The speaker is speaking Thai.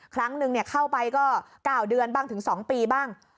ครั้งนึงเข้าไปก็๙เดือนบ้างถึง๒ปีบ้าง